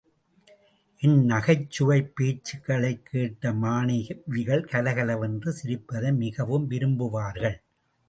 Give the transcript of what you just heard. என் நகைச்சுவைப் பேச்சுகளைக் கேட்டு மாணவிகள் கலகலவென்று சிரிப்பதை மிகவும் விரும்புவார்கள்.